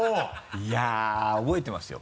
いや覚えてますよ。